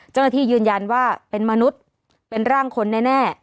เจ้าหน้าที่ยืนยันว่าเป็นมนุษย์เป็นร่างคนแน่